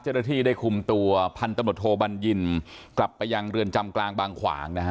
เจ้าหน้าที่ได้คุมตัวพันตำรวจโทบัญญินกลับไปยังเรือนจำกลางบางขวางนะฮะ